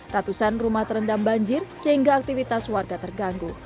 ratusan rumah terendam banjir sehingga aktivitas warga terganggu